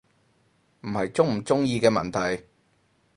唔係鍾唔鍾意嘅問題